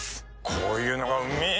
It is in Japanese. こういうのがうめぇ